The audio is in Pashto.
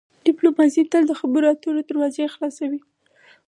ډیپلوماسي تل د خبرو اترو دروازې خلاصوي.